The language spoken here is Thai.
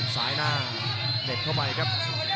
ซ้ายหน้าเด็ดเข้าไปครับ